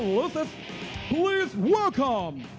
ครูต่อกรของเขาก็คือฤทธิ์แก้วสำฤทธิ์ครับ